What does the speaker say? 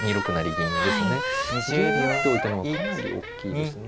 銀成っておいたのはかなりおっきいですね。